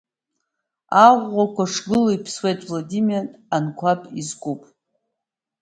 Аӷәӷәақәа шгылоу иԥсуеит Владимир Анқәаб изкуп…